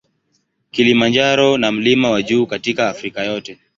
Kilimanjaro na mlima wa juu katika Afrika yote.